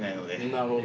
なるほど。